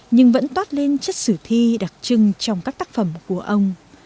nhưng vẫn toát lên chất sử thi đặc trưng trong các tác phẩm của ông